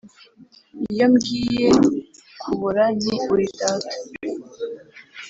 iyo mbwiye kubora nti ‘uri data’,